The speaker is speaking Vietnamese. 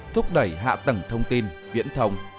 thúc đẩy hạ tầng thông tin viễn thông